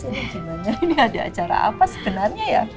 ini ada acara apa sebenarnya ya